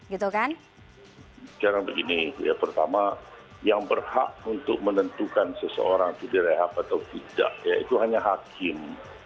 sekarang begini pertama yang berhak untuk menentukan seseorang itu direhab atau tidak ya itu hanya hakim